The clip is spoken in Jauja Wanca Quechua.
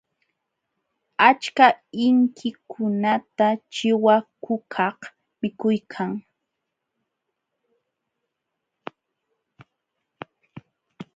Achka inkikunata chiwakukaq mikuykan.